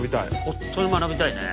本当に学びたいね。